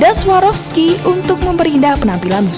dan swarovski untuk memperindah penampilan busana